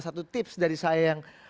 satu tips dari saya yang